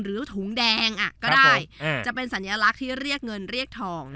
หรือถุงแดงอ่ะก็ได้ครับผมอืมจะเป็นสัญลักษณ์ที่เรียกเงินเรียกทอง